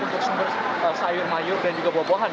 untuk sumber sayur mayur dan juga buah buahan